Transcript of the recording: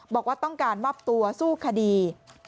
บอกว่าต้องการมอบตัวสู้คดี